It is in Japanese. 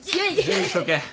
準備しとけ。